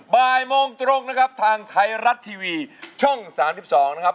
บ่ายโมงตรงนะครับทางไทยรัฐทีวีช่อง๓๒นะครับ